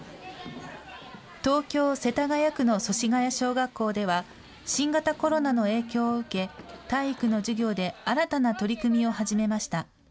東京・世田谷区の祖師谷小学校では、新型コロナの影響を受け、体育の授業で新たな取り組みを始めました。